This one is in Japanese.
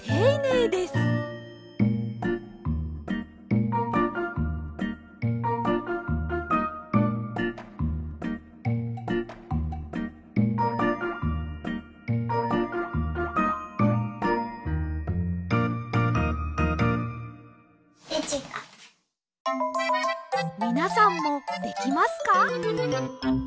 みなさんもできますか？